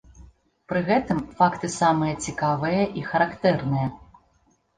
Пры гэтым факты самыя цікавыя і характэрныя.